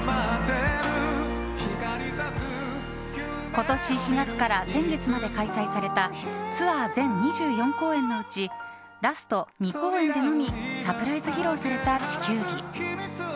今年４月から先月まで開催されたツアー全２４公演のうちラスト２公演でのみサプライズ披露された「地球儀」。